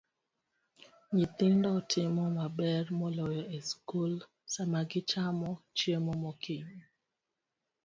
Nyithindo timo maber moloyo e skul sama gichamo chiemo mokinyi.